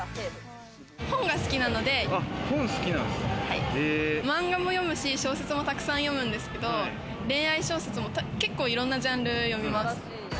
本が好きなので、漫画も読むし、小説も沢山読むんですけど、恋愛小説も、いろんなジャンル読みます。